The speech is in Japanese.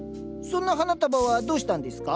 その花束はどうしたんですか？